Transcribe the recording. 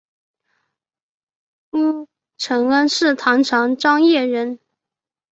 乌承恩是唐朝张掖人。